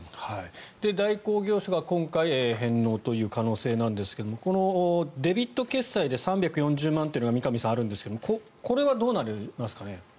代行業者が今回、返納という可能性ですがこのデビット決済で３４０万円というのが三上さん、あるんですがこれはどうなりますかね。